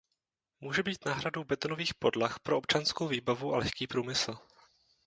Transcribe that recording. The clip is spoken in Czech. Může být náhradou betonových podlah pro občanskou výstavbu a lehký průmysl.